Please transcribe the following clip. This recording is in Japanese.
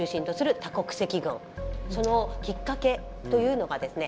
そのきっかけというのがですね